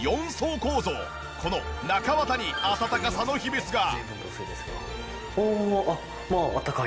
この中綿に暖かさの秘密が！